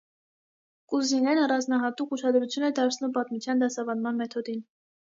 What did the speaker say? Կուզինեն առանձնահատուկ ուշադրություն է դարձնում պատմության դասավանդման մեթոդին։